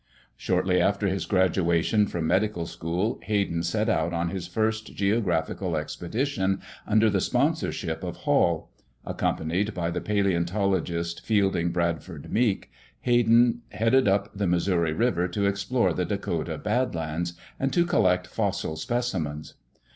Shortly after his graduation from medical school, Hayden set out on his first geographical expedition under the sponsorship of Hall. Accompanied by the paleontologist Fielding Bradford Meek, Hayden headed up the Missouri River to explore the Dakota Badlands and to collect fossil specimens.